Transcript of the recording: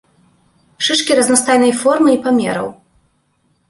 Шышкі разнастайнай формы і памераў.